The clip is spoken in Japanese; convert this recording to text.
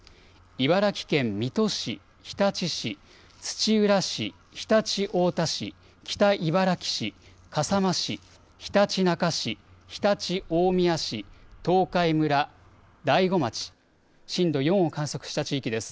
茨城県水戸市、日立市、土浦市、常陸太田市、北茨城市、笠間市、ひたちなか市、常陸大宮市、東海村、大子町、震度４を観測した地域です。